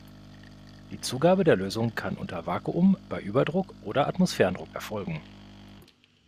Die Zugabe der Lösung kann unter Vakuum, bei Überdruck oder Atmosphärendruck erfolgen.